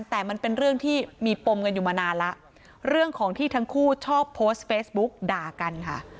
แต่มันเป็นเรื่องที่มีปมกันอยู่มานานแล้วเรื่องของที่ทั้งคู่ชอบโพสต์เฟซบุ๊กด่ากันค่ะ